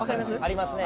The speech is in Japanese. ありますね